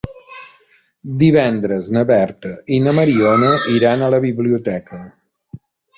Divendres na Berta i na Mariona iran a la biblioteca.